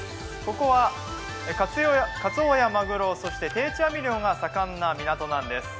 ここは、かつおやまぐろ、そして定置網漁が盛んな港なんです。